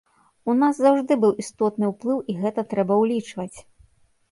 У нас заўжды быў істотны ўплыў і гэта трэба ўлічваць.